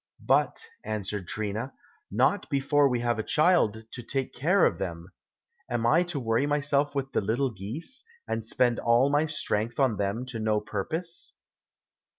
"But," answered Trina, "not before we have a child to take care of them! Am I to worry myself with the little geese, and spend all my strength on them to no purpose."